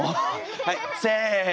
はいせの。